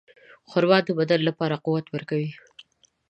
خرما د بدن لپاره قوت ورکوي.